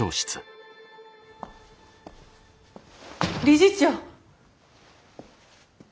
理事長。